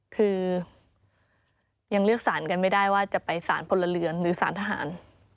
คือยังเลือกสารกันไม่ได้ว่าจะไปสารพลเรือนหรือสารทหาร